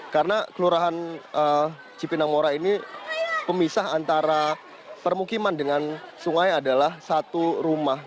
karena kelurahan cipinangmuara ini pemisah antara permukiman dengan sungai adalah satu rumah